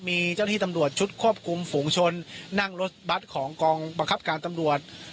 มีเจ้าหน้าที่ตำรวจชุดควบคุมฝูงชนนั่งรถบัตรของกองบังคับการตำรวจ